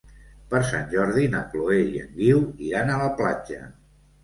Per Sant Jordi na Chloé i en Guiu iran a la platja.